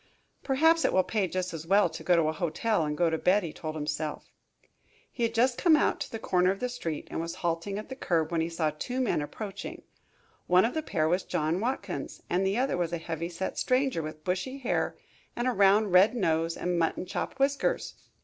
"Perhaps it will pay just as well to go to a hotel and go to bed," he told himself. He had just come out to the corner of the street and was halting at the curb, when he saw two men approaching. One of the pair was John Watkins, and the other was a heavy set stranger, with bushy hair and a round, red nose and mutton chop whiskers.